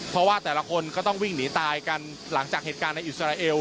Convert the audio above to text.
เพราะว่าแต่ละคนก็ต้องวิ่งหนีตายกันหลังจากเหตุการณ์ในอิสราเอล